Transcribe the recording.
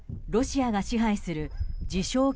ロシアが支配する自称